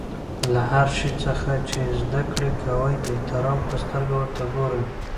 له هر شي څخه چي زدکړه کوى؛ د احترام په سترګه ورته ګورئ!